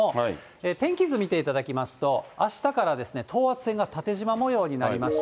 天気図見ていただきますと、あしたから等圧線が縦じま模様になりまして。